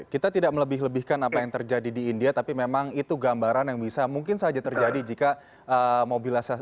kita tidak melebih lebihkan apa yang terjadi di india tapi memang itu gambaran yang bisa mungkin saja terjadi jika mobilisasi